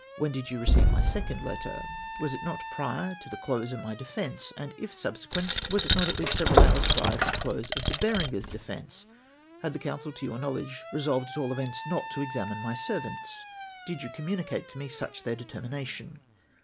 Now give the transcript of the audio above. When did you receive my second letter ? Was it not prior to the close of my defence ? and if subsequent, was it not at least several hours prior to the close of De Berenger's defence ? Had the counsel, to your knowledge, resolved at all events not to examine my servants ? Did you communicate to me such their determina tion